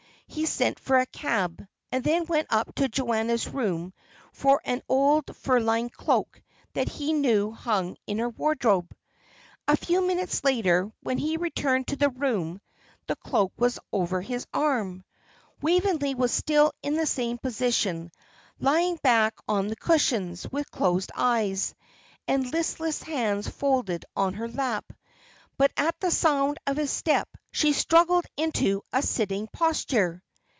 He sent for a cab, and then went up to Joanna's room for an old fur lined cloak, that he knew hung in her wardrobe. A few minutes later, when he returned to the room, the cloak was over his arm. Waveney was still in the same position, lying back on the cushions, with closed eyes, and listless hands folded on her lap. But at the sound of his step, she struggled into a sitting posture.